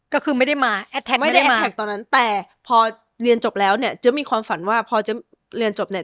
ก็คือไม่ได้มาไม่ได้แอดแท็กตอนนั้นแต่พอเรียนจบแล้วเนี่ยเจ๊มีความฝันว่าพอจะเรียนจบเนี่ย